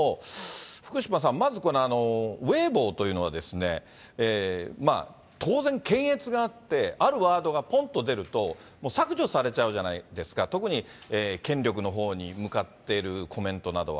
福島さん、まずこのウェイボーというのは、当然検閲があって、あるワードがぽんと出ると、削除されちゃうじゃないですか、特に権力のほうに向かっているコメントなどは。